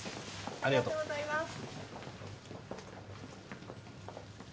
ありがとうございます。